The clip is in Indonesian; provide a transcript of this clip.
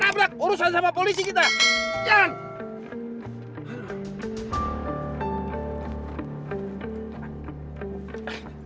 tabrak urusan sama polisi kita jangan